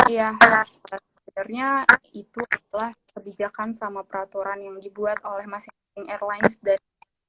ya sebenarnya itu adalah kebijakan sama peraturan yang dibuat oleh masing masing airlines dari